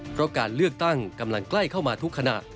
เพราะการเลือกตั้งกำลังใกล้เข้ามาทุกขณะ